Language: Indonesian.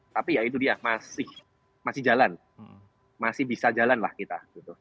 tapi ya itu dia masih jalan masih bisa jalan lah kita